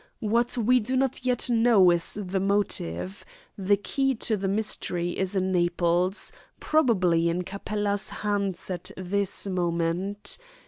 What we do not yet know is the motive. The key to the mystery is in Naples, probably in Capella's hands at this moment.